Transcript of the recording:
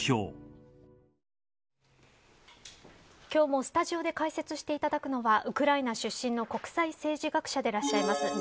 今日もスタジオで解説していただくのはウクライナ出身の国際政治学者でいらっしゃいます